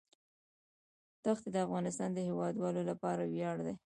ښتې د افغانستان د هیوادوالو لپاره ویاړ دی.